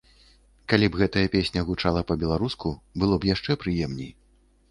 Калі б гэтая песня гучала па-беларуску, было б яшчэ прыемней.